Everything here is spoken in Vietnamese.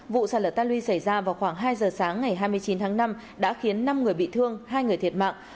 vụ sạt lở ta luy xảy ra vào khoảng hai giờ sáng ngày hai mươi chín tháng năm đã khiến năm người bị thương hai người thiệt mạng